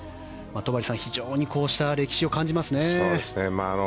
戸張さん、非常にこうした歴史を感じますね。